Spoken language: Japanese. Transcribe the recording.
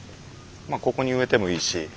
まあここに植えてもいいし。